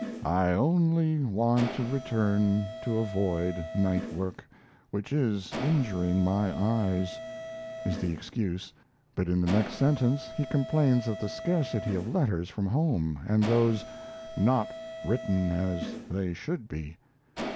"I only want to return to avoid night work, which is injuring my eyes," is the excuse, but in the next sentence he complains of the scarcity of letters from home and those "not written as they should be."